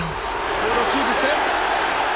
ボールをキープして。